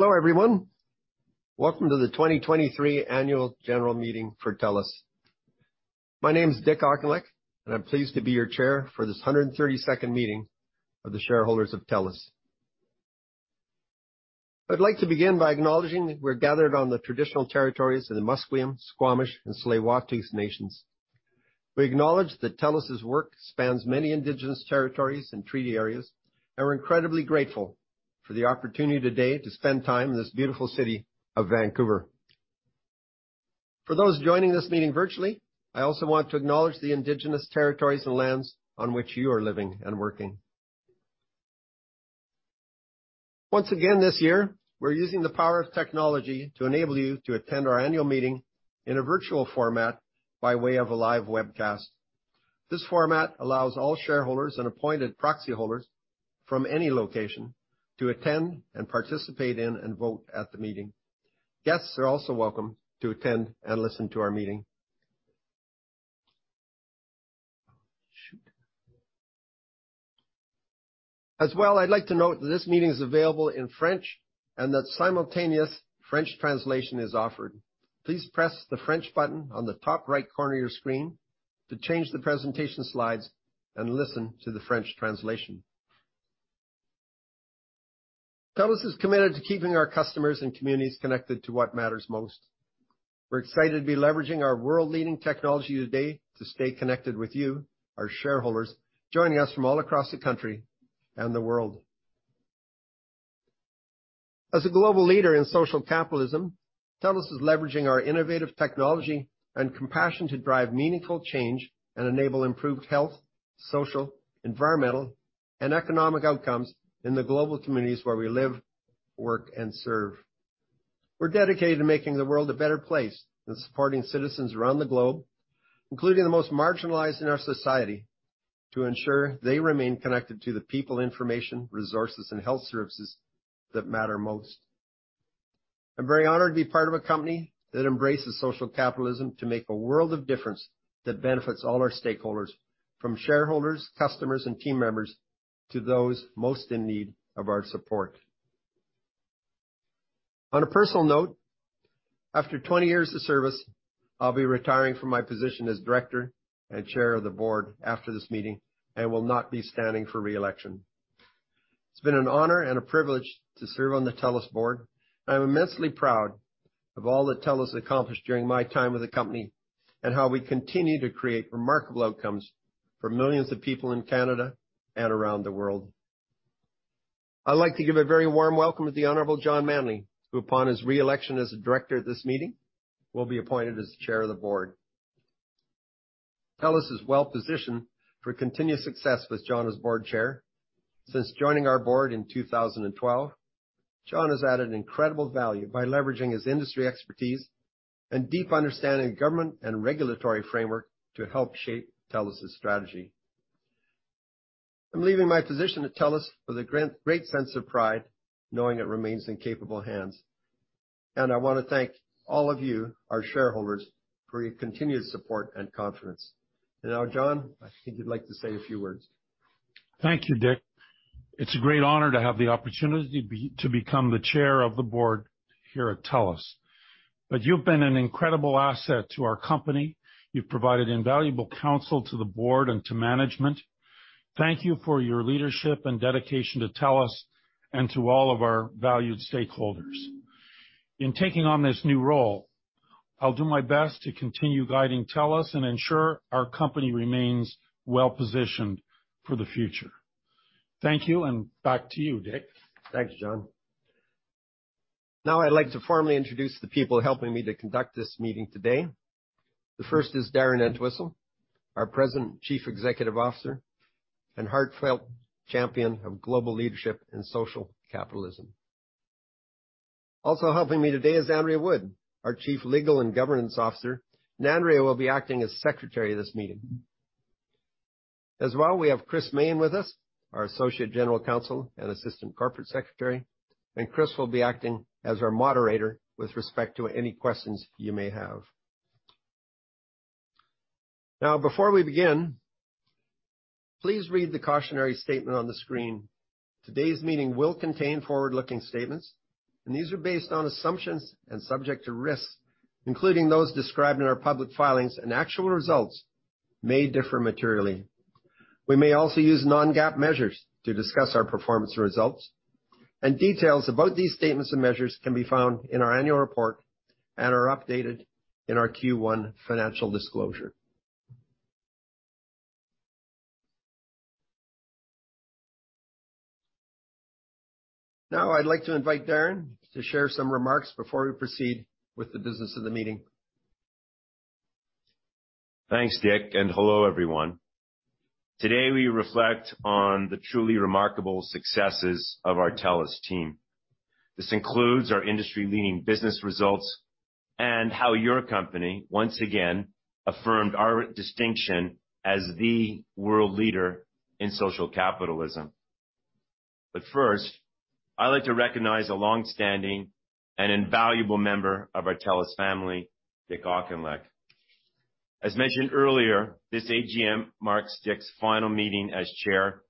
Hello, everyone. Welcome to the 2023 Annual General Meeting for TELUS. My name is Dick Auchinleck, and I'm pleased to be your Chair for this 132nd meeting of the shareholders of TELUS. I'd like to begin by acknowledging we're gathered on the traditional territories of the Musqueam, Squamish, and Tsleil-Waututh nations. We acknowledge that TELUS' work spans many indigenous territories and treaty areas, and we're incredibly grateful for the opportunity today to spend time in this beautiful city of Vancouver. For those joining this meeting virtually, I also want to acknowledge the indigenous territories and lands on which you are living and working. Once again, this year, we're using the power of technology to enable you to attend our annual meeting in a virtual format by way of a live webcast. This format allows all shareholders and appointed proxy holders from any location to attend and participate in and vote at the meeting. Guests are also welcome to attend and listen to our meeting. Shoot. As well, I'd like to note that this meeting is available in French and that simultaneous French translation is offered. Please press the French button on the top-right corner of your screen to change the presentation slides and listen to the French translation. TELUS is committed to keeping our customers and communities connected to what matters most. We're excited to be leveraging our world-leading technology today to stay connected with you, our shareholders, joining us from all across the country and the world. As a global leader in social capitalism, TELUS is leveraging our innovative technology and compassion to drive meaningful change and enable improved health, social, environmental, and economic outcomes in the global communities where we live, work, and serve. We're dedicated to making the world a better place and supporting citizens around the globe, including the most marginalized in our society, to ensure they remain connected to the people, information, resources, and health services that matter most. I'm very honored to be part of a company that embraces social capitalism to make a world of difference that benefits all our stakeholders, from shareholders, customers and team members, to those most in need of our support. On a personal note, after 20 years of service, I'll be retiring from my position as director and chair of the board after this meeting and will not be standing for re-election. It's been an honor and a privilege to serve on the TELUS board. I'm immensely proud of all that TELUS accomplished during my time with the company and how we continue to create remarkable outcomes for millions of people in Canada and around the world. I'd like to give a very warm welcome to the Honorable John Manley, who, upon his re-election as a Director at this meeting, will be appointed as Chair of the Board. TELUS is well-positioned for continued success with John as Board Chair. Since joining our board in 2012, John has added incredible value by leveraging his industry expertise and deep understanding of government and regulatory framework to help shape TELUS' strategy. I'm leaving my position at TELUS with a great sense of pride, knowing it remains in capable hands.I wanna thank all of you, our shareholders, for your continued support and confidence. Now, John, I think you'd like to say a few words. Thank you, Dick. It's a great honor to have the opportunity to become the Chair of the Board here at TELUS. You've been an incredible asset to our company. You've provided invaluable counsel to the Board and to management. Thank you for your leadership and dedication to TELUS and to all of our valued stakeholders. In taking on this new role, I'll do my best to continue guiding TELUS and ensure our company remains well-positioned for the future. Thank you, and back to you, Dick. Thanks, John. I'd like to formally introduce the people helping me to conduct this meeting today. The first is Darren Entwistle, our President, Chief Executive Officer and heartfelt champion of global leadership and social capitalism. Also helping me today is Andrea Wood, our Chief Legal and Governance Officer. Andrea will be acting as secretary of this meeting. As well, we have Christopher Main with us, our Associate General Counsel and Assistant Corporate Secretary. Chris will be acting as our moderator with respect to any questions you may have. Before we begin, please read the cautionary statement on the screen. Today's meeting will contain forward-looking statements. These are based on assumptions and subject to risks, including those described in our public filings. Actual results may differ materially. We may also use non-GAAP measures to discuss our performance results, and details about these statements and measures can be found in our annual report and are updated in our Q1 financial disclosure. Now, I'd like to invite Darren to share some remarks before we proceed with the business of the meeting. Thanks, Dick. Hello, everyone. Today, we reflect on the truly remarkable successes of our TELUS team. This includes our industry-leading business results and how your company, once again, affirmed our distinction as the world leader in social capitalism. First, I'd like to recognize a long-standing and invaluable member of our TELUS family, Dick Auchinleck. As mentioned earlier, this AGM marks Dick's final meeting as chair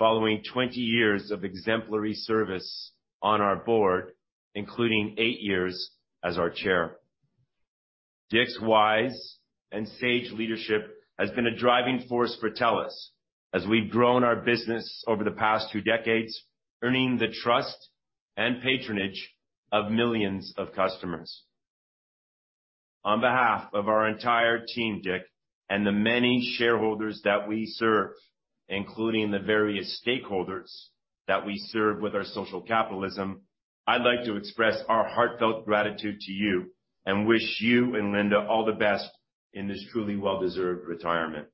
following 20 years of exemplary service on our board, including eight years as our chair. Dick's wise and sage leadership has been a driving force for TELUS as we've grown our business over the past two decades, earning the trust and patronage of millions of customers. On behalf of our entire team, Dick, and the many shareholders that we serve, including the various stakeholders that we serve with our social capitalism, I'd like to express our heartfelt gratitude to you and wish you and Linda all the best in this truly well-deserved retirement.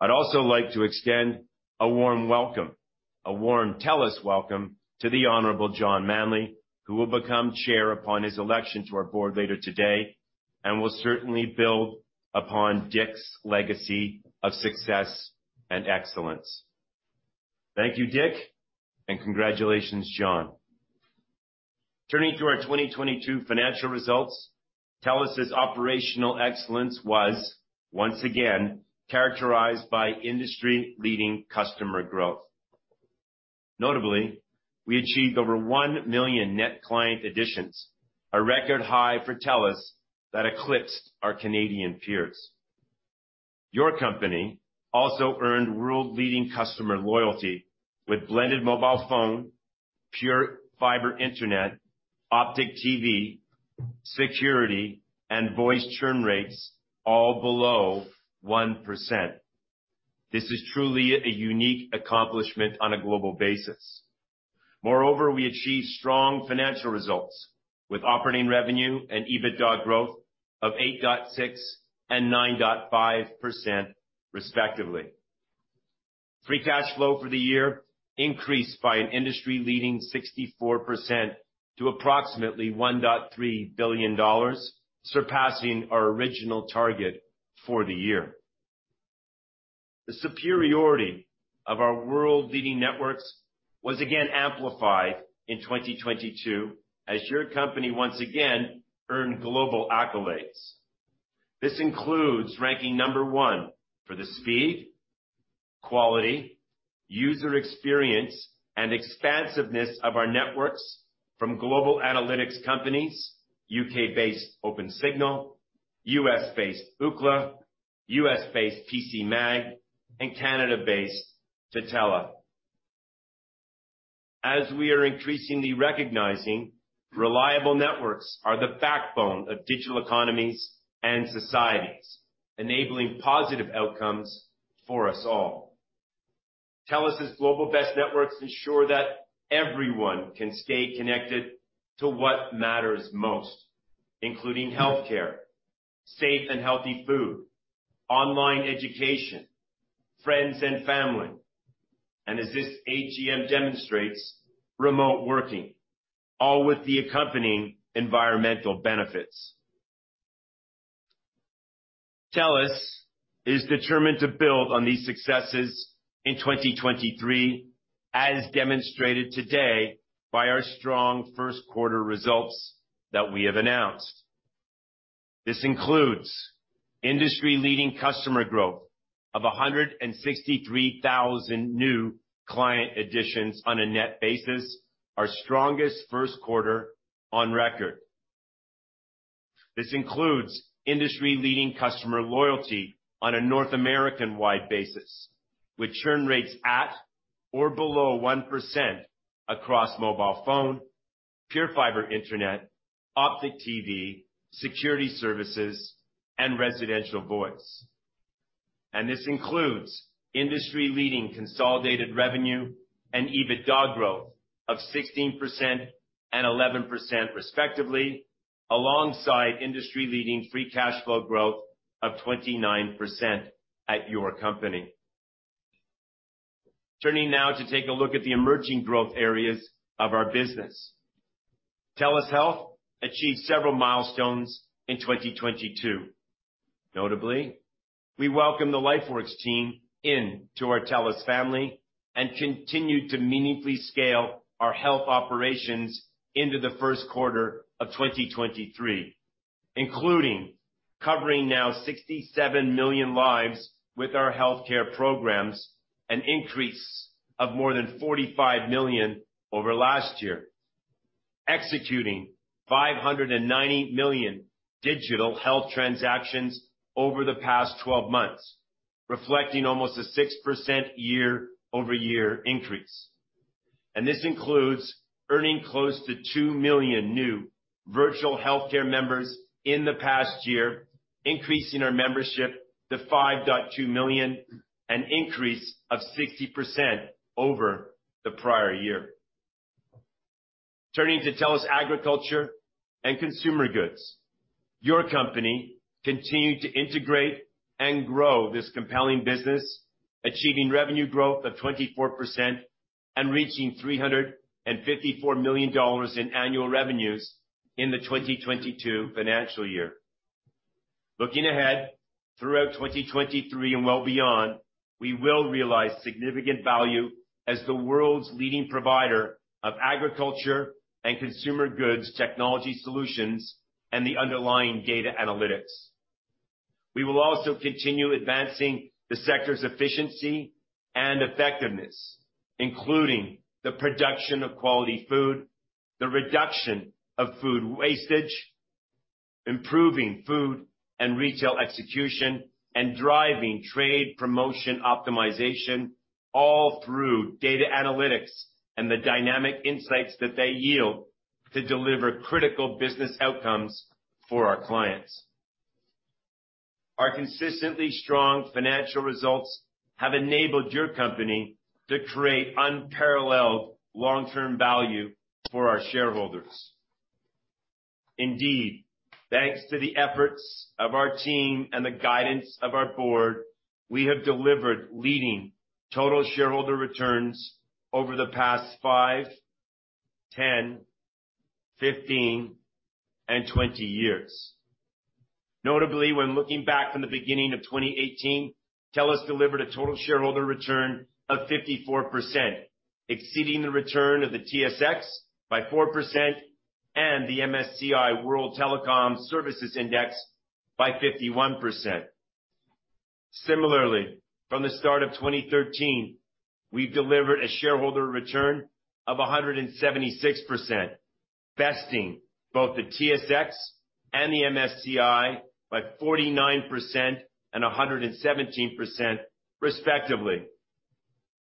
I'd also like to extend a warm welcome, a warm TELUS welcome to the Honorable John Manley, who will become chair upon his election to our board later today and will certainly build upon Dick's legacy of success and excellence. Thank you, Dick, and congratulations, John. Turning to our 2022 financial results, TELUS's operational excellence was once again characterized by industry-leading customer growth. Notably, we achieved over 1 million net client additions, a record high for TELUS that eclipsed our Canadian peers. Your company also earned world-leading customer loyalty with blended mobile phone, PureFibre internet, Optik TV, security, and voice churn rates all below 1%. This is truly a unique accomplishment on a global basis. We achieved strong financial results with operating revenue and EBITDA growth of 8.6% and 9.5%, respectively. Free cash flow for the year increased by an industry-leading 64% to approximately 1.3 billion dollars, surpassing our original target for the year. The superiority of our world-leading networks was again amplified in 2022 as your company once again earned global accolades. This includes ranking number one for the speed, quality, user experience, and expansiveness of our networks from global analytics companies, U.K.-based Opensignal, U.S.-based Ookla, U.S.-based PCMag, and Canada-based Tutela. As we are increasingly recognizing, reliable networks are the backbone of digital economies and societies, enabling positive outcomes for us all. TELUS' global best networks ensure that everyone can stay connected to what matters most, including healthcare, safe and healthy food, online education, friends and family, and as this AGM demonstrates, remote working, all with the accompanying environmental benefits. TELUS is determined to build on these successes in 2023, as demonstrated today by our strong first quarter results that we have announced. This includes industry-leading customer growth of 163,000 new client additions on a net basis, our strongest first quarter on record. This includes industry-leading customer loyalty on a North American-wide basis, with churn rates at or below 1% across mobile phone, PureFibre internet, Optik TV, security services, and residential voice. This includes industry-leading consolidated revenue and EBITDA growth of 16% and 11% respectively, alongside industry-leading free cash flow growth of 29% at your company. Turning now to take a look at the emerging growth areas of our business. TELUS Health achieved several milestones in 2022. Notably, we welcomed the LifeWorks team into our TELUS family and continued to meaningfully scale our health operations into the first quarter of 2023, including covering now 67 million lives with our healthcare programs, an increase of more than 45 million over last year. Executing 590 million digital health transactions over the past 12 months, reflecting almost a 6% year-over-year increase. This includes earning close to 2 million new virtual healthcare members in the past year, increasing our membership to 5.2 million, an increase of 60% over the prior year. Turning to TELUS Agriculture & Consumer Goods, your company continued to integrate and grow this compelling business, achieving revenue growth of 24% and reaching 354 million dollars in annual revenues in the 2022 financial year. Throughout 2023 and well beyond, we will realize significant value as the world's leading provider of Agriculture & Consumer Goods technology solutions and the underlying data analytics. We will also continue advancing the sector's efficiency and effectiveness, including the production of quality food, the reduction of food wastage, improving food and retail execution, and driving trade promotion optimization all through data analytics and the dynamic insights that they yield to deliver critical business outcomes for our clients. Our consistently strong financial results have enabled your company to create unparalleled long-term value for our shareholders. Thanks to the efforts of our team and the guidance of our board, we have delivered leading total shareholder returns over the past five, 10, 15, and 20 years. When looking back from the beginning of 2018, TELUS delivered a total shareholder return of 54%, exceeding the return of the TSX by 4% and the MSCI World Communication Services Index by 51%. From the start of 2013, we've delivered a shareholder return of 176%, besting both the TSX and the MSCI by 49% and 117% respectively.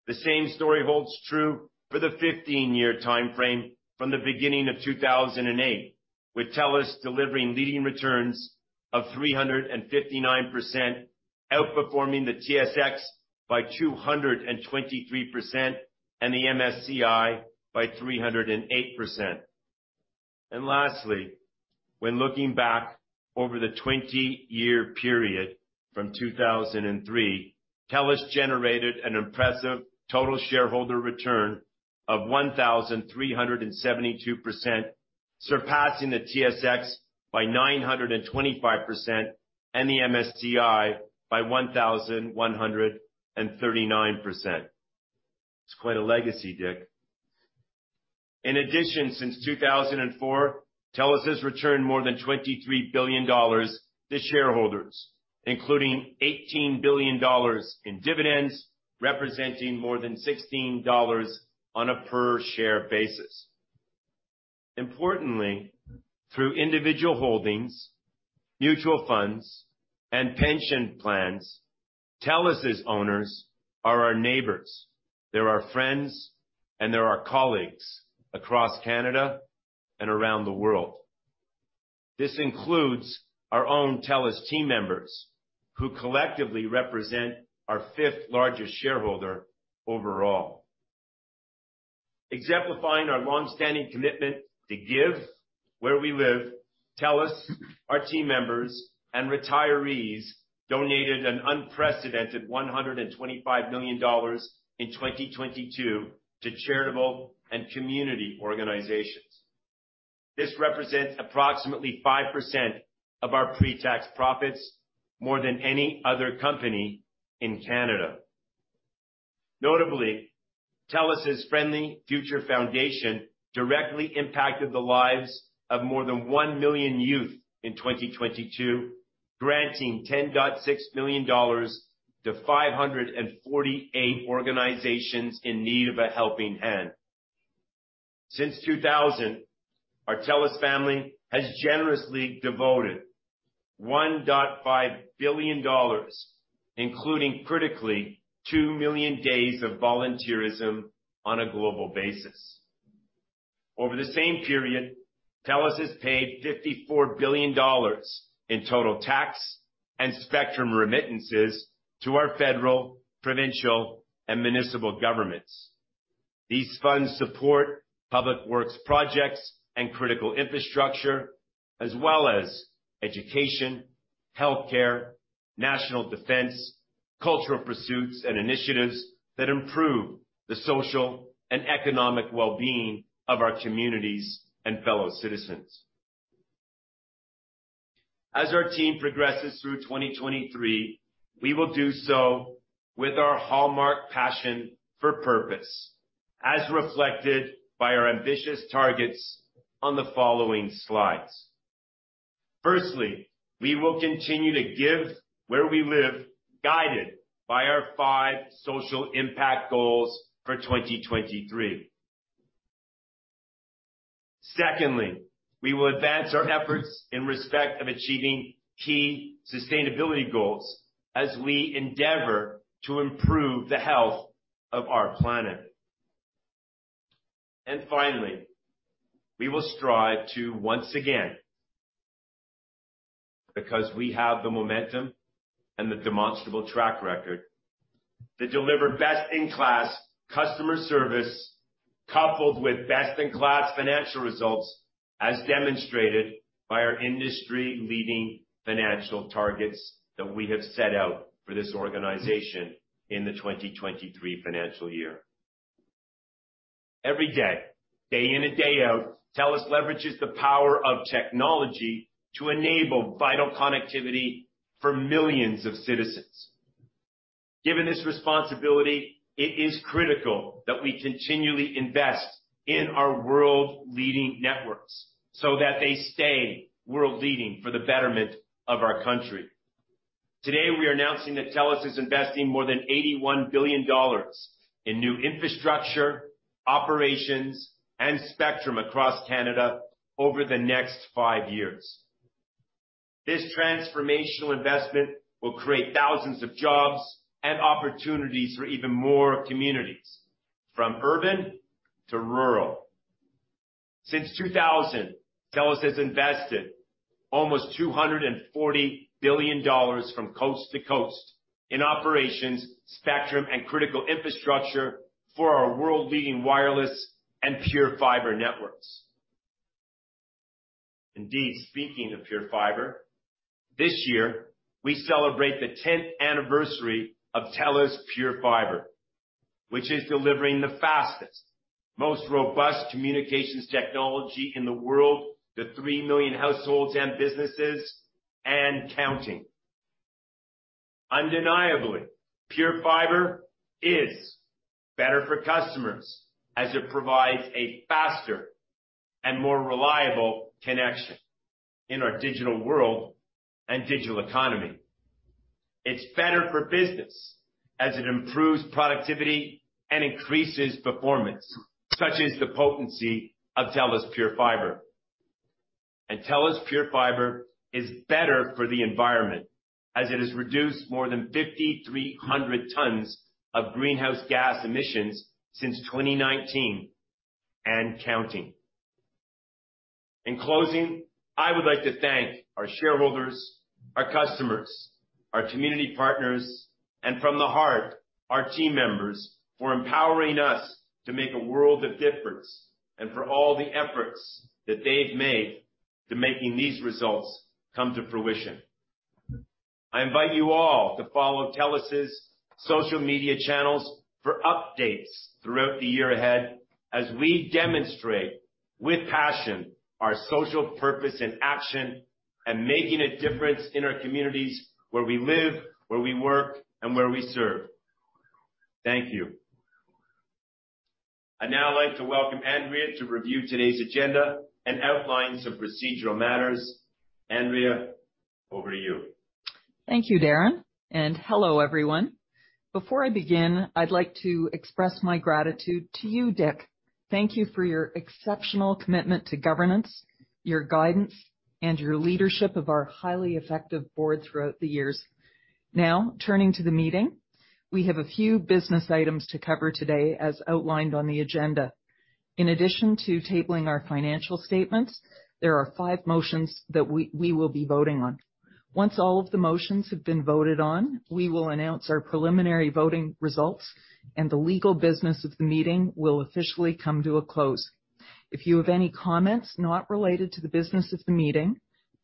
The same story holds true for the 15-year timeframe from the beginning of 2008, with TELUS delivering leading returns of 359%, outperforming the TSX by 223% and the MSCI by 308%. Lastly, when looking back over the 20-year period from 2003, TELUS generated an impressive total shareholder return of 1,372%, surpassing the TSX by 925% and the MSCI by 1,139%. It's quite a legacy, Dick. In addition, since 2004, TELUS has returned more than 23 billion dollars to shareholders, including 18 billion dollars in dividends, representing more than 16 dollars on a per share basis. Importantly, through individual holdings, mutual funds and pension plans, TELUS' owners are our neighbors. They're our friends and they're our colleagues across Canada and around the world. This includes our own TELUS team members, who collectively represent our fifth-largest shareholder overall. Exemplifying our long-standing commitment to give where we live, TELUS, our team members and retirees donated an unprecedented 125 million dollars in 2022 to charitable and community organizations. This represents approximately 5% of our pre-tax profits, more than any other company in Canada. Notably, TELUS' Friendly Future Foundation directly impacted the lives of more than 1 million youth in 2022, granting CAD 10.6 million to 548 organizations in need of a helping hand. Since 2000, our TELUS family has generously devoted 1.5 billion dollars, including critically 2 million days of volunteerism on a global basis. Over the same period, TELUS has paid 54 billion dollars in total tax and spectrum remittances to our federal, provincial, and municipal governments. These funds support public works projects and critical infrastructure as well as education, healthcare, national defense, cultural pursuits, and initiatives that improve the social and economic well-being of our communities and fellow citizens. As our team progresses through 2023, we will do so with our hallmark passion for purpose, as reflected by our ambitious targets on the following slides. Firstly, we will continue to give where we live, guided by our five social impact goals for 2023. Secondly, we will advance our efforts in respect of achieving key sustainability goals as we endeavor to improve the health of our planet. Finally, we will strive to once again, because we have the momentum and the demonstrable track record to deliver best-in-class customer service coupled with best-in-class financial results, as demonstrated by our industry-leading financial targets that we have set out for this organization in the 2023 financial year. Every day in and day out, TELUS leverages the power of technology to enable vital connectivity for millions of citizens. Given this responsibility, it is critical that we continually invest in our world-leading networks so that they stay world-leading for the betterment of our country. Today, we are announcing that TELUS is investing more than 81 billion dollars in new infrastructure, operations, and spectrum across Canada over the next five years. This transformational investment will create thousands of jobs and opportunities for even more communities, from urban to rural. Since 2000, TELUS has invested almost 240 billion dollars from coast to coast in operations, spectrum, and critical infrastructure for our world-leading wireless and PureFibre networks. Indeed, speaking of PureFibre, this year we celebrate the 10th anniversary of TELUS PureFibre, which is delivering the fastest, most robust communications technology in the world to 3 million households and businesses, and counting. Undeniably, PureFibre is better for customers as it provides a faster and more reliable connection in our digital world and digital economy. It's better for business as it improves productivity and increases performance, such as the potency of TELUS PureFibre. TELUS PureFibre is better for the environment as it has reduced more than 5,300 tons of greenhouse gas emissions since 2019, and counting. In closing, I would like to thank our shareholders, our customers, our community partners, and from the heart, our team members for empowering us to make a world of difference and for all the efforts that they've made to making these results come to fruition. I invite you all to follow TELUS's social media channels for updates throughout the year ahead as we demonstrate with passion our social purpose in action and making a difference in our communities where we live, where we work, and where we serve. Thank you. I'd now like to welcome Andrea to review today's agenda and outline some procedural matters. Andrea, over to you. Thank you, Darren. Hello, everyone. Before I begin, I'd like to express my gratitude to you, Dick. Thank you for your exceptional commitment to governance, your guidance, and your leadership of our highly effective board throughout the years. Turning to the meeting. We have a few business items to cover today, as outlined on the agenda. In addition to tabling our financial statements, there are 5 motions that we will be voting on. Once all of the motions have been voted on, we will announce our preliminary voting results, and the legal business of the meeting will officially come to a close. If you have any comments not related to the business of the meeting,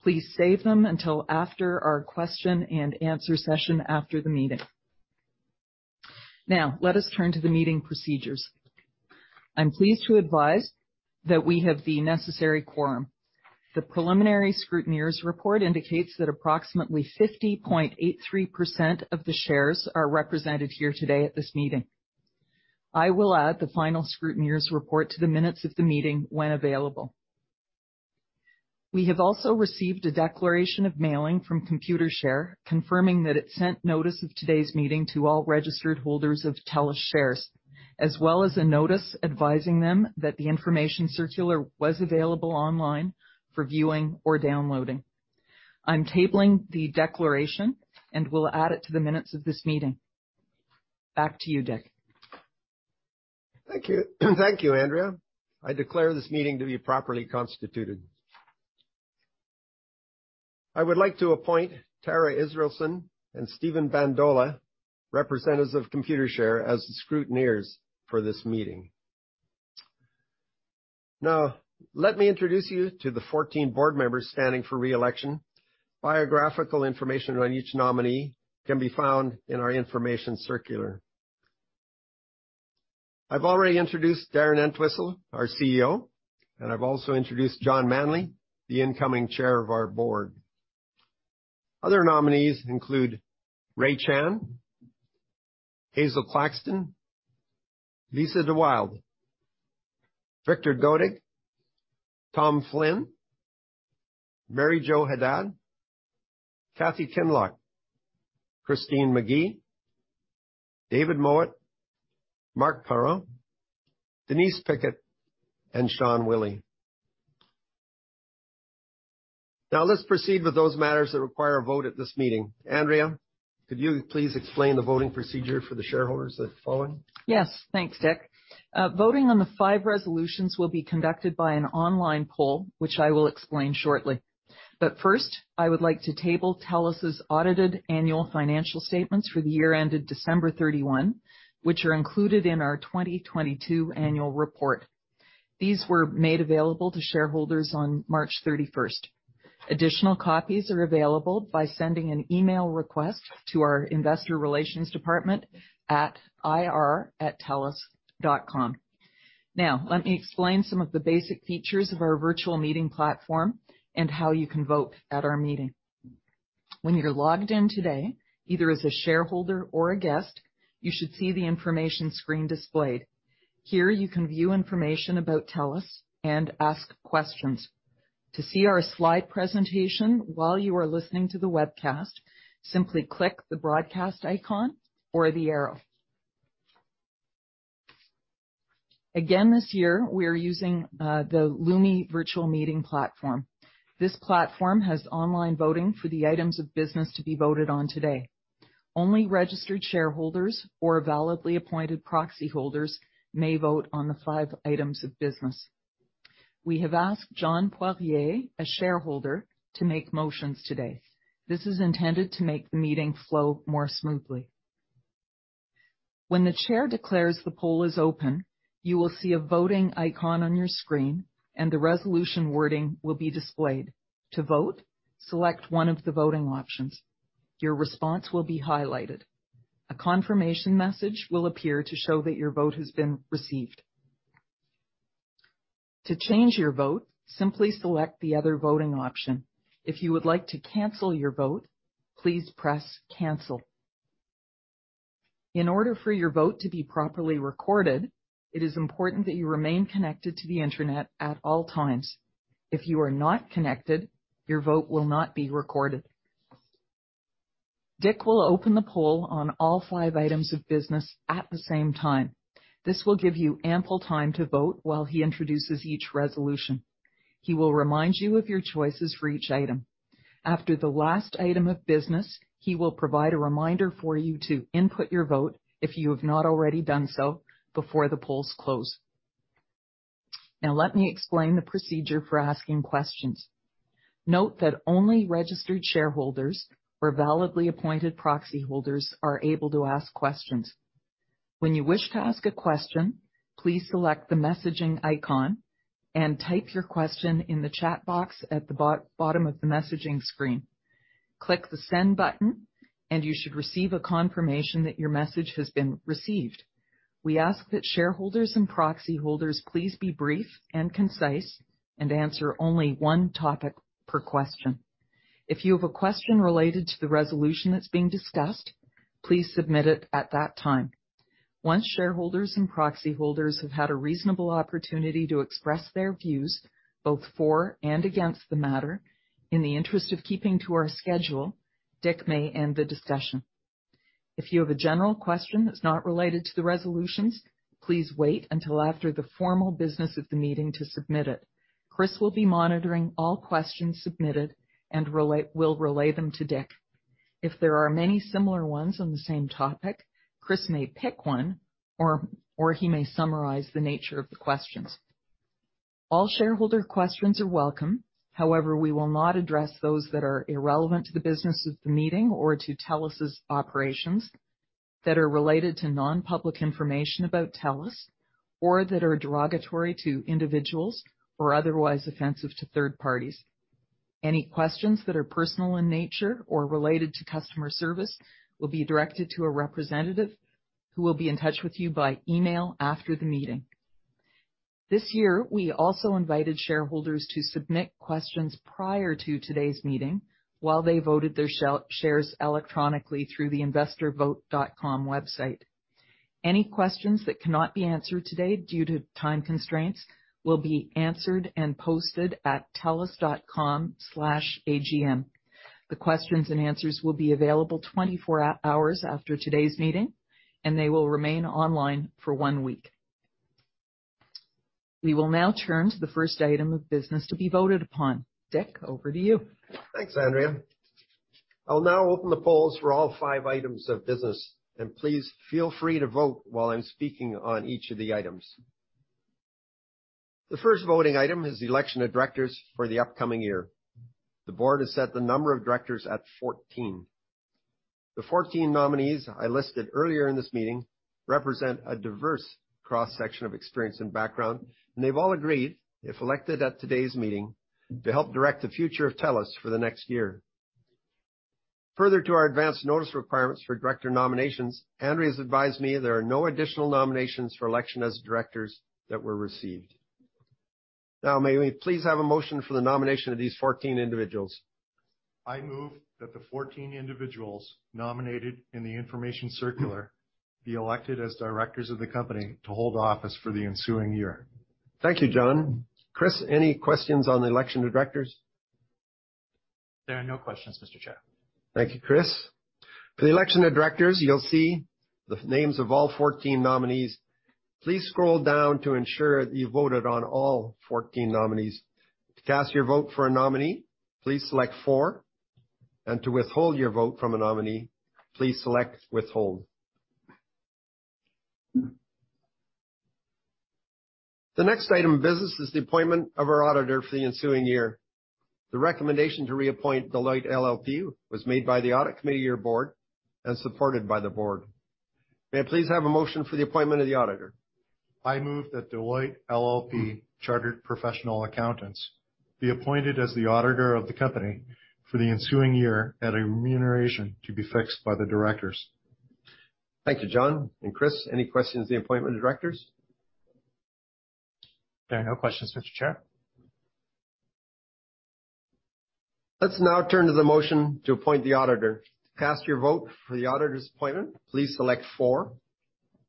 please save them until after our question-and-answer session after the meeting. Let us turn to the meeting procedures. I'm pleased to advise that we have the necessary quorum. The preliminary scrutineers report indicates that approximately 50.83% of the shares are represented here today at this meeting. I will add the final scrutineers report to the minutes of the meeting when available. We have also received a declaration of mailing from Computershare, confirming that it sent notice of today's meeting to all registered holders of TELUS shares, as well as a notice advising them that the information circular was available online for viewing or downloading. I'm tabling the declaration and will add it to the minutes of this meeting. Back to you, Dick. Thank you. Thank you, Andrea. I declare this meeting to be properly constituted. I would like to appoint Tara Israelson and Steven Bandola, representatives of Computershare, as the scrutineers for this meeting. Let me introduce you to the 14 board members standing for re-election. Biographical information on each nominee can be found in our information circular. I've already introduced Darren Entwistle, our CEO, and I've also introduced John Manley, the incoming Chair of our board. Other nominees include Ray Chan, Hazel Claxton, Lisa de Wilde, Victor Dodig, Thomas Flynn, Mary Jo Haddad, Kathy Kinloch, Christine Magee, David Mowat, Marc Parent, Denise Pickett, and W. Sean Willy. Let's proceed with those matters that require a vote at this meeting. Andrea, could you please explain the voting procedure for the shareholders that follow? Yes. Thanks, Dick. Voting on the five resolutions will be conducted by an online poll, which I will explain shortly. First, I would like to table TELUS's audited annual financial statements for the year ended December 31, which are included in our 2022 annual report. These were made available to shareholders on March 31st. Additional copies are available by sending an email request to our investor relations department at ir@telus.com. Let me explain some of the basic features of our virtual meeting platform and how you can vote at our meeting. When you're logged in today, either as a shareholder or a guest, you should see the information screen displayed. Here, you can view information about TELUS and ask questions. To see our slide presentation while you are listening to the webcast, simply click the broadcast icon or the arrow. Again, this year, we are using the Lumi virtual meeting platform. This platform has online voting for the items of business to be voted on today. Only registered shareholders or validly appointed proxy holders may vote on the five items of business. We have asked John Poirier, a shareholder, to make motions today. This is intended to make the meeting flow more smoothly. When the chair declares the poll is open, you will see a voting icon on your screen, and the resolution wording will be displayed. To vote, select one of the voting options. Your response will be highlighted. A confirmation message will appear to show that your vote has been received. To change your vote, simply select the other voting option. If you would like to cancel your vote, please press Cancel. In order for your vote to be properly recorded, it is important that you remain connected to the internet at all times. If you are not connected, your vote will not be recorded. Dick will open the poll on all five items of business at the same time. This will give you ample time to vote while he introduces each resolution. He will remind you of your choices for each item. After the last item of business, he will provide a reminder for you to input your vote if you have not already done so before the polls close. Let me explain the procedure for asking questions. Note that only registered shareholders or validly appointed proxy holders are able to ask questions. When you wish to ask a question, please select the messaging icon and type your question in the chat box at the bottom of the messaging screen. Click the Send button, you should receive a confirmation that your message has been received. We ask that shareholders and proxy holders please be brief and concise and answer only one topic per question. If you have a question related to the resolution that's being discussed, please submit it at that time. Once shareholders and proxy holders have had a reasonable opportunity to express their views both for and against the matter, in the interest of keeping to our schedule, Dick may end the discussion. If you have a general question that's not related to the resolutions, please wait until after the formal business of the meeting to submit it. Chris will be monitoring all questions submitted and will relay them to Dick. If there are many similar ones on the same topic, Chris may pick one or he may summarize the nature of the questions. All shareholder questions are welcome. We will not address those that are irrelevant to the business of the meeting or to TELUS's operations that are related to non-public information about TELUS, or that are derogatory to individuals or otherwise offensive to third parties. Any questions that are personal in nature or related to customer service will be directed to a representative who will be in touch with you by email after the meeting. This year, we also invited shareholders to submit questions prior to today's meeting while they voted their shares electronically through the investorvote.com website. Any questions that cannot be answered today due to time constraints will be answered and posted at telus.com/agm. The questions and answers will be available 24 hours after today's meeting, they will remain online for one week. We will now turn to the first item of business to be voted upon. Dick, over to you. Thanks, Andrea. I'll now open the polls for all five items of business, and please feel free to vote while I'm speaking on each of the items. The first voting item is the election of directors for the upcoming year. The board has set the number of directors at 14. The 14 nominees I listed earlier in this meeting represent a diverse cross-section of experience and background, and they've all agreed, if elected at today's meeting, to help direct the future of TELUS for the next year. Further to our advanced notice requirements for director nominations, Andrea has advised me there are no additional nominations for election as directors that were received. Now, may we please have a motion for the nomination of these 14 individuals? I move that the 14 individuals nominated in the information circular be elected as directors of the company to hold office for the ensuing year. Thank you, John. Chris, any questions on the election of directors? There are no questions, Mr. Chair. Thank you, Chris. For the election of directors, you'll see the names of all 14 nominees. Please scroll down to ensure that you voted on all 14 nominees. To cast your vote for a nominee, please select four, and to withhold your vote from a nominee, please select withhold. The next item of business is the appointment of our auditor for the ensuing year. The recommendation to reappoint Deloitte LLP was made by the audit committee of your board and supported by the board. May I please have a motion for the appointment of the auditor? I move that Deloitte LLP Chartered Professional Accountants be appointed as the auditor of the company for the ensuing year at a remuneration to be fixed by the directors. Thank you, John and Chris. Any questions on the appointment of directors? There are no questions, Mr. Chair. Let's now turn to the motion to appoint the auditor. To cast your vote for the auditor's appointment, please select four,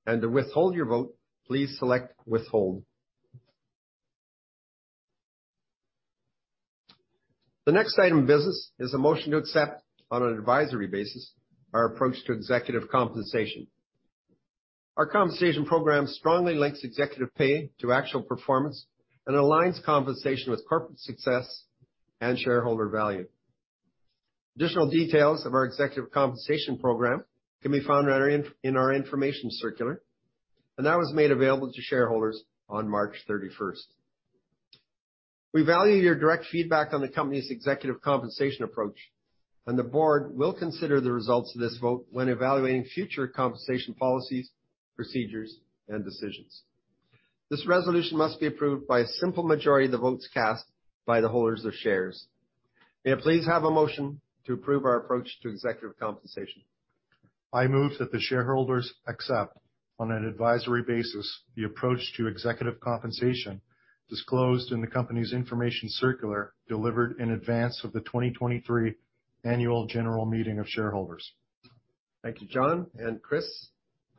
to withhold your vote, please select withhold. The next item of business is a motion to accept on an advisory basis our approach to executive compensation. Our compensation program strongly links executive pay to actual performance and aligns compensation with corporate success and shareholder value. Additional details of our executive compensation program can be found right in our information circular, that was made available to shareholders on March 31st. We value your direct feedback on the company's executive compensation approach, the board will consider the results of this vote when evaluating future compensation policies, procedures, and decisions. This resolution must be approved by a simple majority of the votes cast by the holders of shares. May I please have a motion to approve our approach to executive compensation? I move that the shareholders accept, on an advisory basis, the approach to executive compensation disclosed in the company's information circular delivered in advance of the 2023 annual general meeting of shareholders. Thank you, John and Chris.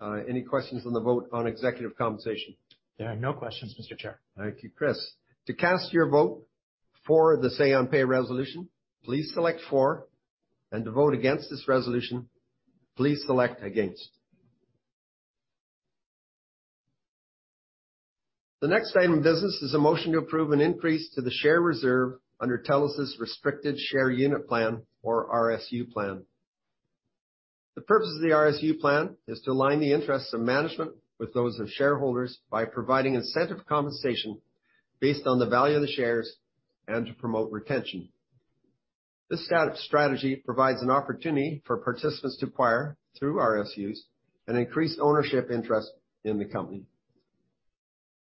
Any questions on the vote on executive compensation? There are no questions, Mr. Chair. Thank you, Chris. To cast your vote for the say on pay resolution, please select four, and to vote against this resolution, please select against. The next item of business is a motion to approve an increase to the share reserve under TELUS's restricted share unit plan, or RSU plan. The purpose of the RSU plan is to align the interests of management with those of shareholders by providing incentive compensation based on the value of the shares and to promote retention. This stat of strategy provides an opportunity for participants to acquire through RSUs an increased ownership interest in the company.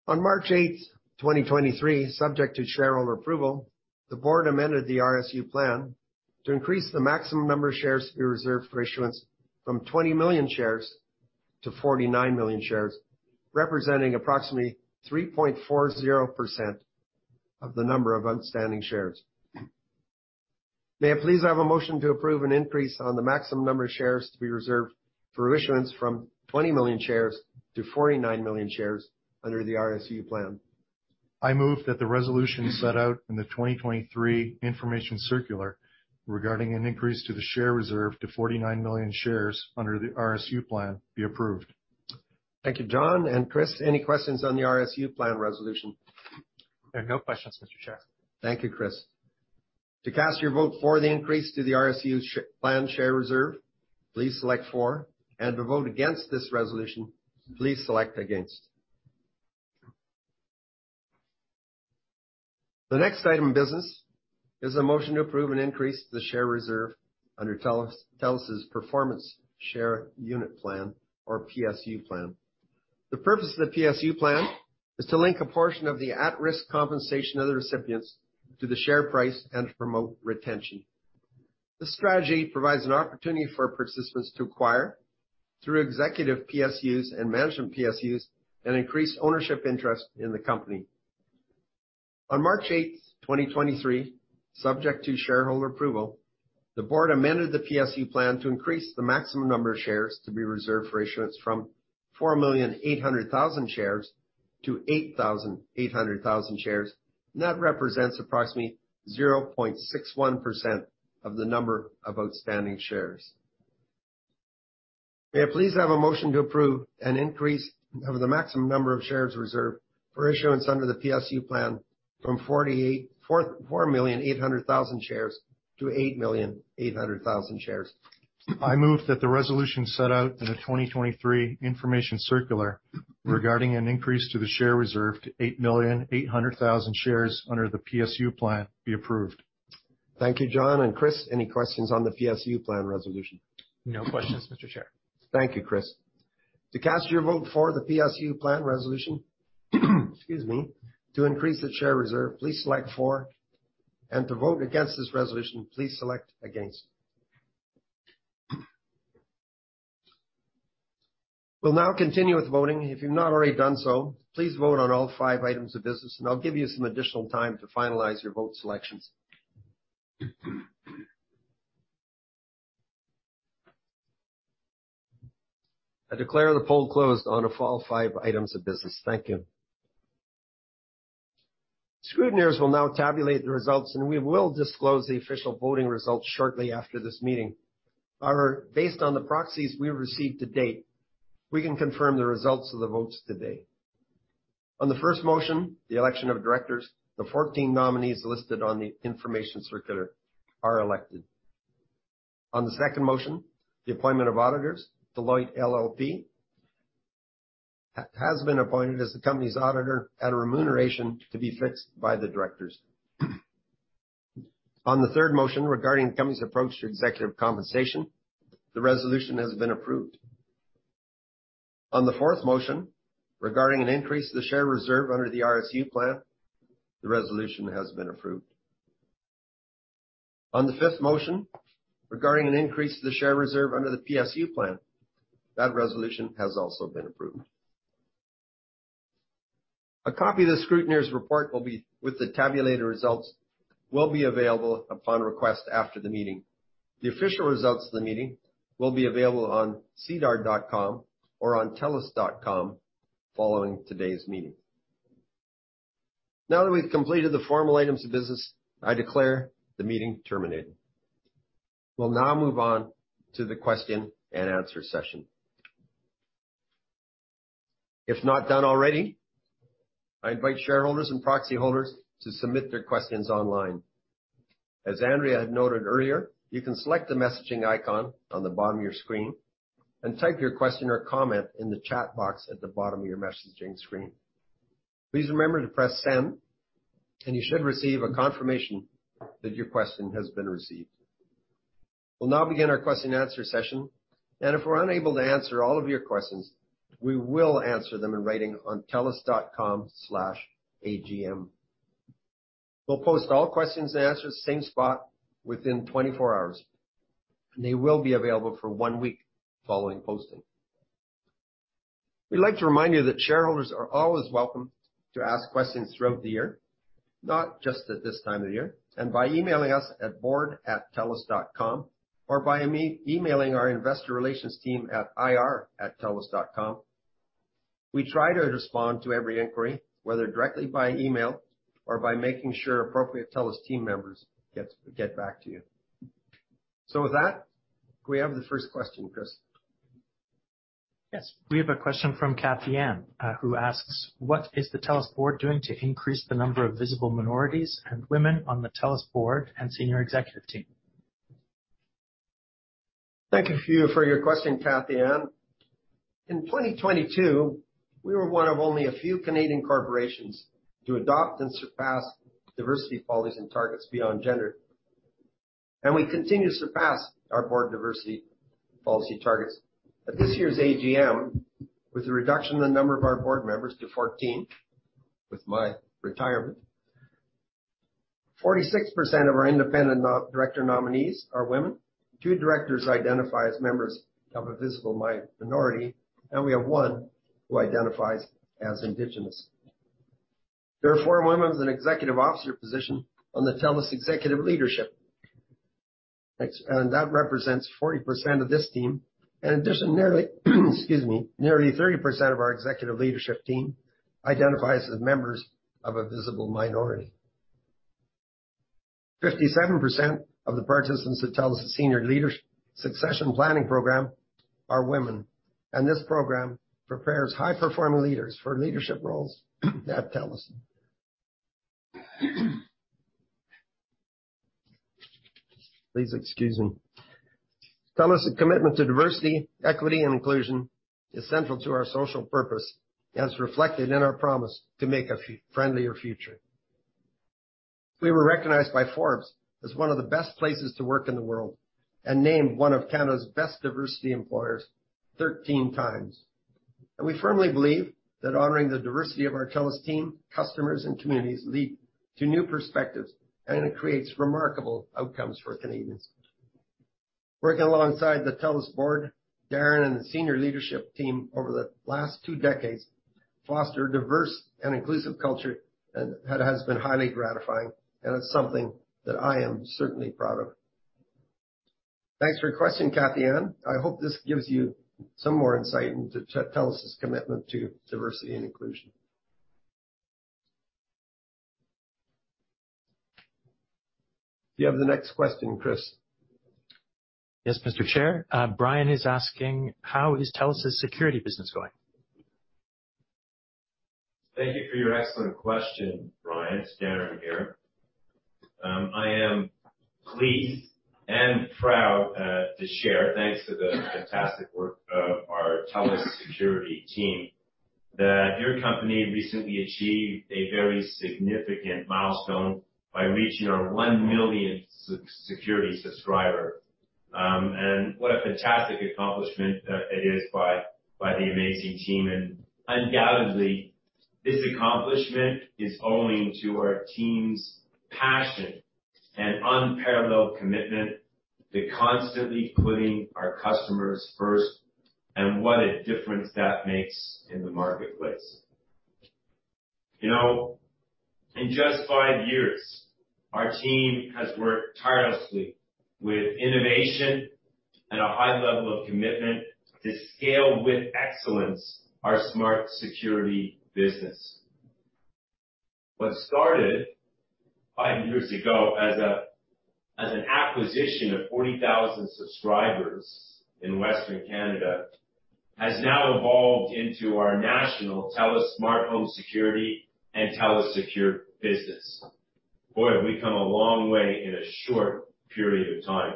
On March eighth, 2023, subject to shareholder approval, the board amended the RSU plan to increase the maximum number of shares to be reserved for issuance from 20 million shares to 49 million shares, representing approximately 3.40% of the number of outstanding shares. May I please have a motion to approve an increase on the maximum number of shares to be reserved for issuance from 20 million shares to 49 million shares under the RSU plan? I move that the resolution set out in the 2023 information circular regarding an increase to the share reserve to 49 million shares under the RSU plan be approved. Thank you, John and Chris Main. Any questions on the RSU plan resolution? There are no questions, Mr. Chair. Thank you, Chris. To cast your vote for the increase to the RSU plan share reserve, please select four. To vote against this resolution, please select against. The next item of business is a motion to approve an increase to the share reserve under TELUS's performance share unit plan or PSU plan. The purpose of the PSU plan is to link a portion of the at-risk compensation of the recipients to the share price and promote retention. This strategy provides an opportunity for participants to acquire through executive PSUs and management PSUs an increased ownership interest in the company. On March 8th, 2023, subject to shareholder approval, the board amended the PSU plan to increase the maximum number of shares to be reserved for issuance from 4,800,000 shares to 8,800,000 shares. That represents approximately 0.61% of the number of outstanding shares. May I please have a motion to approve an increase of the maximum number of shares reserved for issuance under the PSU plan from 4,800,000 shares to 8,800,000 shares. I move that the resolution set out in the 2023 information circular regarding an increase to the share reserve to 8,800,000 shares under the PSU plan be approved. Thank you, John and Chris. Any questions on the PSU plan resolution? No questions, Mr. Chair. Thank you, Chris. To cast your vote for the PSU plan resolution, excuse me, to increase the share reserve, please select four. To vote against this resolution, please select against. We'll now continue with voting. If you've not already done so, please vote on all five items of business, I'll give you some additional time to finalize your vote selections. I declare the poll closed on all five items of business. Thank you. Scrutineers will now tabulate the results. We will disclose the official voting results shortly after this meeting. However, based on the proxies we received to date, we can confirm the results of the votes today. On the first motion, the election of directors, the 14 nominees listed on the information circular are elected. On the second motion, the appointment of auditors, Deloitte LLP has been appointed as the company's auditor at a remuneration to be fixed by the directors. On the third motion regarding the company's approach to executive compensation, the resolution has been approved. On the fourth motion regarding an increase to the share reserve under the RSU plan, the resolution has been approved. On the fifth motion regarding an increase to the share reserve under the PSU plan, that resolution has also been approved. A copy of the scrutineer's report with the tabulated results will be available upon request after the meeting. The official results of the meeting will be available on sedar.com or on telus.com following today's meeting. Now that we've completed the formal items of business, I declare the meeting terminated. We'll now move on to the question-and-answer session. If not done already, I invite shareholders and proxy holders to submit their questions online. As Andrea had noted earlier, you can select the messaging icon on the bottom of your screen and type your question or comment in the chat box at the bottom of your messaging screen. Please remember to press Send. You should receive a confirmation that your question has been received. We'll now begin our question-and-answer session. If we're unable to answer all of your questions, we will answer them in writing on telus.com/agm. We'll post all questions and answers same spot within 24 hours. They will be available for one week following posting. We'd like to remind you that shareholders are always welcome to ask questions throughout the year, not just at this time of year. By emailing us at board@telus.com or by emailing our investor relations team at ir@telus.com. We try to respond to every inquiry, whether directly by email or by making sure appropriate TELUS team members get back to you. With that, do we have the first question, Chris? Yes. We have a question from Cathy Anne, who asks: What is the TELUS board doing to increase the number of visible minorities and women on the TELUS board and senior executive team? Thank you for your question, Cathy Anne. In 2022, we were one of only a few Canadian corporations to adopt and surpass diversity policies and targets beyond gender. We continue to surpass our board diversity policy targets. At this year's AGM, with the reduction in the number of our board members to 14, with my retirement, 46% of our independent director nominees are women. Two directors identify as members of a visible minority, and we have one who identifies as indigenous. There are four women with an executive officer position on the TELUS executive leadership. That represents 40% of this team. In addition, nearly, excuse me, nearly 30% of our executive leadership team identifies as members of a visible minority. 57% of the participants at TELUS senior leaders succession planning program are women, and this program prepares high-performing leaders for leadership roles at TELUS. Please excuse me. TELUS' commitment to diversity, equity, and inclusion is central to our social purpose, as reflected in our promise to make a friendlier future. We were recognized by Forbes as one of the best places to work in the world and named one of Canada's best diversity employers 13x. We firmly believe that honoring the diversity of our TELUS team, customers, and communities lead to new perspectives, and it creates remarkable outcomes for Canadians. Working alongside the TELUS board, Darren and the senior leadership team over the last two decades foster a diverse and inclusive culture and that has been highly gratifying, and it's something that I am certainly proud of. Thanks for your question, Cathy Anne. I hope this gives you some more insight into TELUS' commitment to diversity and inclusion. Do you have the next question, Chris? Yes, Mr. Chair. Brian is asking, how is TELUS' security business going? Thank you for your excellent question, Brian. It's Darren here. I am pleased and proud to share, thanks to the fantastic work of our TELUS security team, that your company recently achieved a very significant milestone by reaching our 1 millionth security subscriber. What a fantastic accomplishment that it is by the amazing team. Undoubtedly, this accomplishment is owing to our team's passion and unparalleled commitment to constantly putting our customers first, and what a difference that makes in the marketplace. You know, in just five years, our team has worked tirelessly with innovation and a high level of commitment to scale with excellence our smart security business. What started five years ago as an acquisition of 40,000 subscribers in Western Canada has now evolved into our national TELUS SmartHome Security and TELUS Secure Business. Boy, have we come a long way in a short period of time.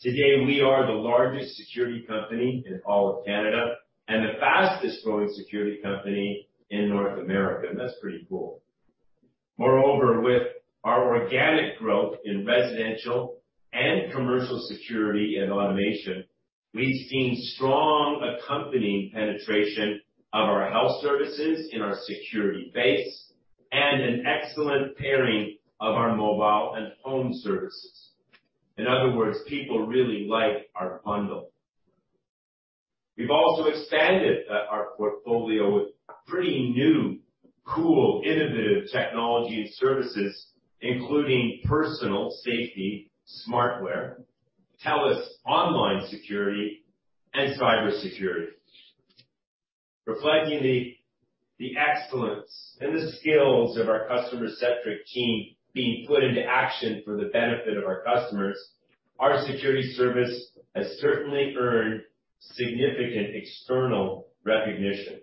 Today, we are the largest security company in all of Canada and the fastest-growing security company in North America. That's pretty cool. Moreover, with our organic growth in residential and commercial security and automation, we've seen strong accompanying penetration of our health services in our security base and an excellent pairing of our mobile and home services. In other words, people really like our bundle. We've also expanded our portfolio with pretty new, cool, innovative technology and services, including personal safety, SmartWear, TELUS Online Security, and cybersecurity. Reflecting the excellence and the skills of our customer-centric team being put into action for the benefit of our customers, our security service has certainly earned significant external recognition.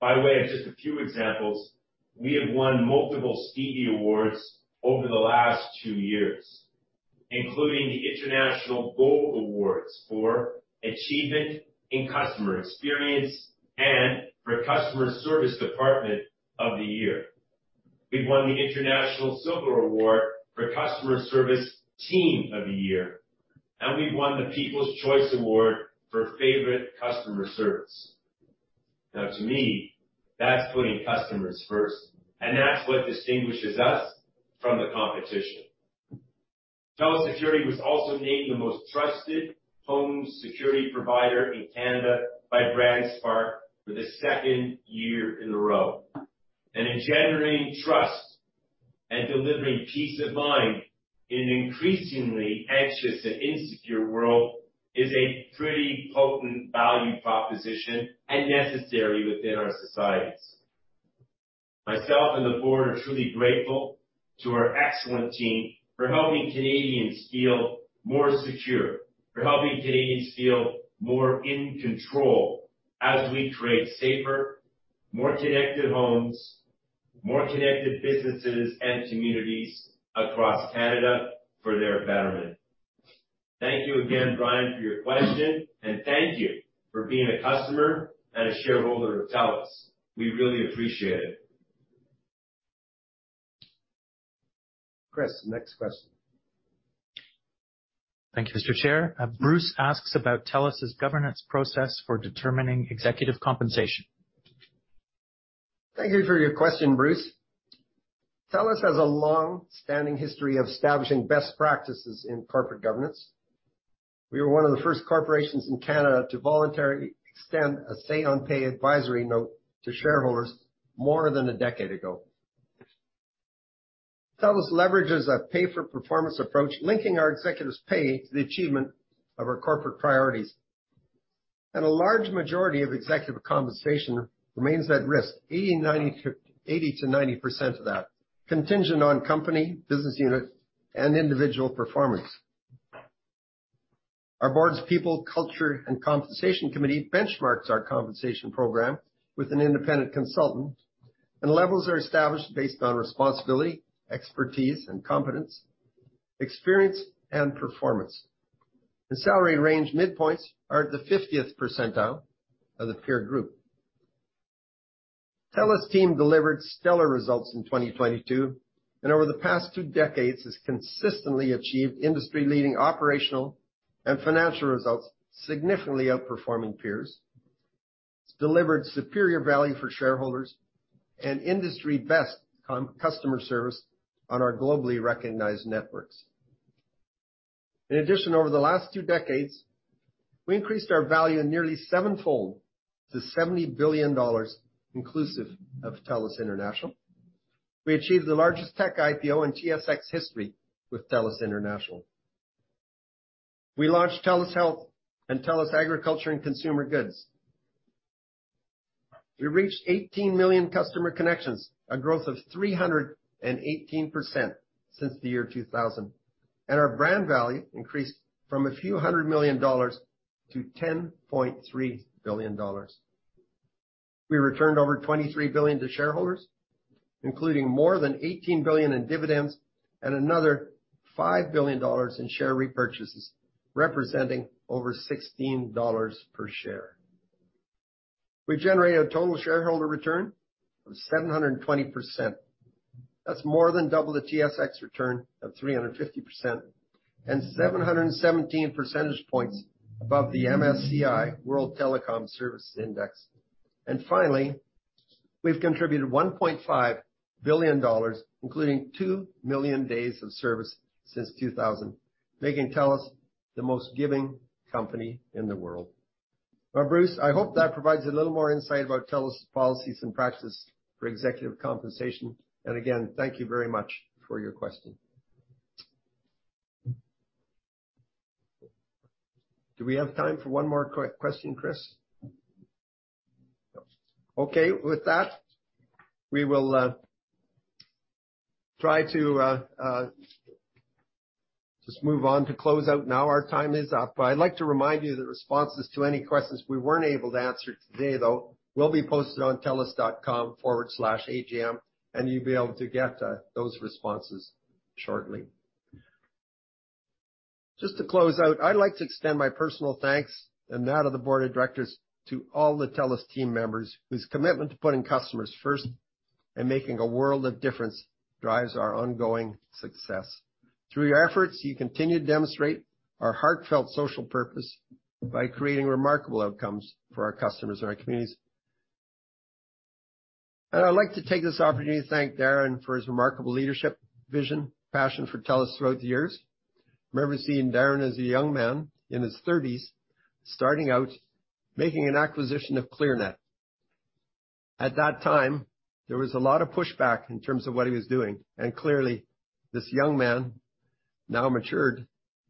By way of just a few examples, we have won multiple Stevie Awards over the last two years, including the International Gold Awards for Achievement in Customer Experience and for Customer Service Department of the Year. We've won the International Silver Award for Customer Service Team of the Year, and we've won the People's Choice Award for Favorite Customer Service. Now to me, that's putting customers first, and that's what distinguishes us from the competition. TELUS Security was also named the most trusted home security provider in Canada by BrandSpark for the second year in a row. Engendering trust and delivering peace of mind in an increasingly anxious and insecure world is a pretty potent value proposition and necessary within our societies. Myself and the board are truly grateful to our excellent team for helping Canadians feel more secure, for helping Canadians feel more in control as we create safer, more connected homes, more connected businesses and communities across Canada for their betterment. Thank you again, Brian, for your question, and thank you for being a customer and a shareholder of TELUS. We really appreciate it. Chris, next question. Thank you, Mr. Chair. Bruce asks about TELUS's governance process for determining executive compensation. Thank you for your question, Bruce. TELUS has a long-standing history of establishing best practices in corporate governance. We were one of the first corporations in Canada to voluntarily extend a say on pay advisory note to shareholders more than a decade ago. TELUS leverages a pay-for-performance approach, linking our executives pay to the achievement of our corporate priorities. A large majority of executive compensation remains at risk, 80%-90% of that contingent on company, business unit, and individual performance. Our board's people, culture, and compensation committee benchmarks our compensation program with an independent consultant, and levels are established based on responsibility, expertise, competence, experience and performance. The salary range midpoints are at the 50th percentile of the peer group. TELUS team delivered stellar results in 2022, over the past two decades has consistently achieved industry-leading operational and financial results, significantly outperforming peers. It's delivered superior value for shareholders and industry-best customer service on our globally recognized networks. In addition, over the last two decades, we increased our value nearly sevenfold to 70 billion dollars inclusive of TELUS International. We achieved the largest tech IPO in TSX history with TELUS International. We launched TELUS Health and TELUS Agriculture & Consumer Goods. We reached 18 million customer connections, a growth of 318% since the year 2000. Our brand value increased from few hundred million Canadian dollars to 10.3 billion dollars. We returned over 23 billion to shareholders, including more than 18 billion in dividends and another 5 billion dollars in share repurchases, representing over 16 dollars per share. We generated a total shareholder return of 720%. That's more than double the TSX return of 350% and 717 percentage points above the MSCI World Communication Services Index. Finally, we've contributed 1.5 billion dollars, including 2 million days of service since 2000, making TELUS the most giving company in the world. Well, Bruce, I hope that provides a little more insight about TELUS policies and practices for executive compensation. Again, thank you very much for your question. Do we have time for one more question, Chris? No. Okay. With that, we will try to just move on to close out now. Our time is up. I'd like to remind you that responses to any questions we weren't able to answer today, though, will be posted on telus.com/agm, and you'll be able to get those responses shortly. Just to close out, I'd like to extend my personal thanks and that of the Board of Directors to all the TELUS team members whose commitment to putting customers first and making a world of difference drives our ongoing success. Through your efforts, you continue to demonstrate our heartfelt social purpose by creating remarkable outcomes for our customers and our communities. I'd like to take this opportunity to thank Darren for his remarkable leadership, vision, passion for TELUS throughout the years. I remember seeing Darren as a young man in his thirties, starting out making an acquisition of Clearnet. At that time, there was a lot of pushback in terms of what he was doing, and clearly, this young man, now matured,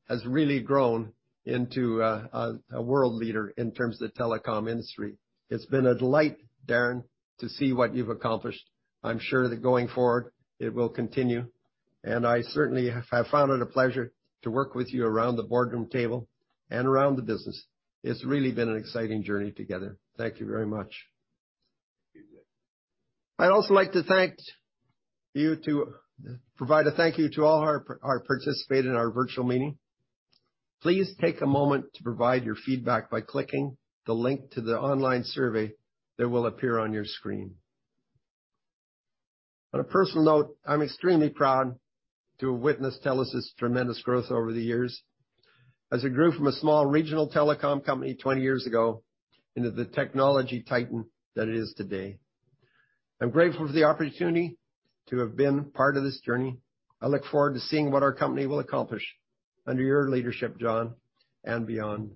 has really grown into a world leader in terms of the telecom industry. It's been a delight, Darren, to see what you've accomplished. I'm sure that going forward it will continue. I certainly have found it a pleasure to work with you around the boardroom table and around the business. It's really been an exciting journey together. Thank you very much. I'd also like to thank you to provide a thank you to all our participate in our virtual meeting. Please take a moment to provide your feedback by clicking the link to the online survey that will appear on your screen. On a personal note, I'm extremely proud to have witnessed TELUS' tremendous growth over the years as it grew from a small regional telecom company 20 years ago into the technology titan that it is today. I'm grateful for the opportunity to have been part of this journey. I look forward to seeing what our company will accomplish under your leadership, John, and beyond.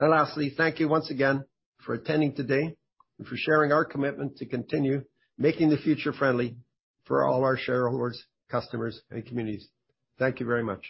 Lastly, thank you once again for attending today and for sharing our commitment to continue making the future friendly for all our shareholders, customers, and communities. Thank you very much.